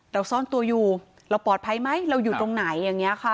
ซ่อนตัวอยู่เราปลอดภัยไหมเราอยู่ตรงไหนอย่างนี้ค่ะ